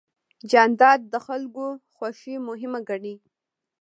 جانداد د خلکو خوښي مهمه ګڼي.